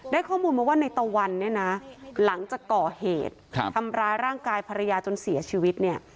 ข้อมูลมาว่าในตะวันเนี่ยนะหลังจากก่อเหตุทำร้ายร่างกายภรรยาจนเสียชีวิตเนี่ย